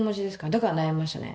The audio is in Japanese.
だから悩みましたね